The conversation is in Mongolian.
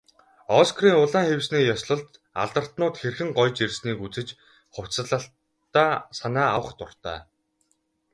Оскарын улаан хивсний ёслолд алдартнууд хэрхэн гоёж ирснийг үзэж, хувцаслалтдаа санаа авах дуртай.